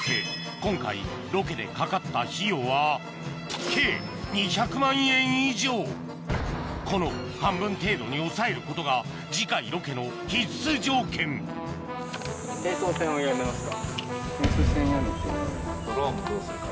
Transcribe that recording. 今回ロケでかかった費用はこの半分程度に抑えることが次回ロケの必須条件いやてか。